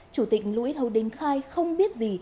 chủ tịch louis houding khai không biết gì